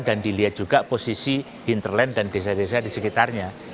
dan dilihat juga posisi hinterland dan desa desa di sekitarnya